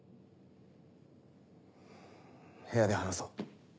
部屋で話そう。